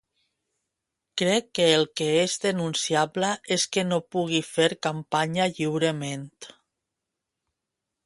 Crec que el que és denunciable és que no pugui fer campanya lliurement.